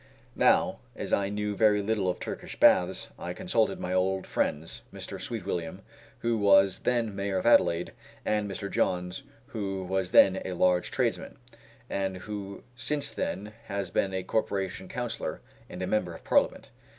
Now, as I knew very little of Turkish baths, I consulted my old friends, Mr. Sweetwilliam, who was then Mayor of Adelaide, and Mr. Johns, who was then a large tradesman, and who since then has been a corporation councillor, and a member of Parliament.